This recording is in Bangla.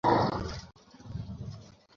আমি তোমার মতই একজন ভোজনরসিক।